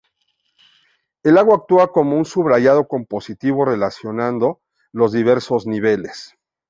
El lago actúa como un subrayado compositivo relacionando los diversos niveles.